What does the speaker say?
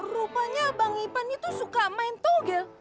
rupanya bang ipan itu suka main togel